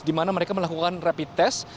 di mana mereka melakukan rapid test